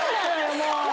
もう。